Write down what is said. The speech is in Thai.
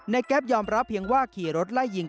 แก๊ปยอมรับเพียงว่าขี่รถไล่ยิง